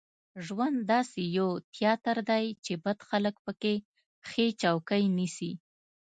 ژوند داسې یو تیاتر دی چې بد خلک په کې ښې چوکۍ نیسي.